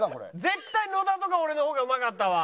絶対野田とか俺の方がうまかったわ。